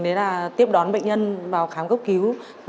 đấy là tiếp đón bệnh nhân vào khám cấp cứu